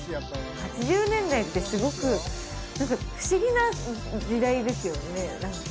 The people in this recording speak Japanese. ８０年代ってすごく何か不思議な時代ですよね